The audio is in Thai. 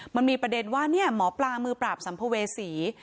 มันมีประเด็นว่าหมอปลามือปราบสัมภเวษี